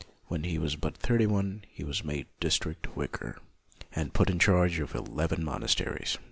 When he was but thirty one he was made district vicar, and put in charge of eleven monasteries.